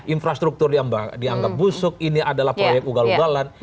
infrastruktur yang dianggap busuk ini adalah proyek ugal ugalan